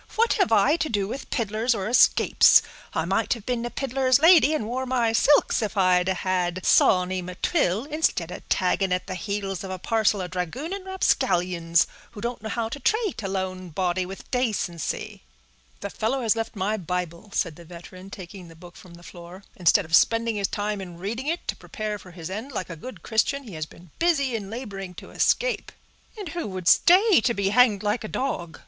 "What have I to do with piddlers, or escapes? I might have been a piddler's lady, and wore my silks, if I'd had Sawny M'Twill, instead of tagging at the heels of a parcel of dragooning rapscallions, who don't know how to trate a lone body with dacency." "The fellow has left my Bible," said the veteran, taking he book from the floor. "Instead of spending his time in reading it to prepare for his end like a good Christian, he has been busy in laboring to escape." "And who would stay and be hanged like a dog?"